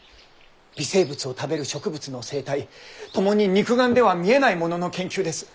微生物を食べる植物の生態ともに肉眼では見えないものの研究です。